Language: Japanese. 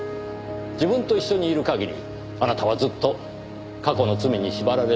自分と一緒にいる限りあなたはずっと過去の罪に縛られ続ける。